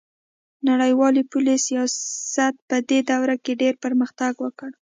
نړیوال پولي سیاست پدې دوره کې ډیر پرمختګ وکړ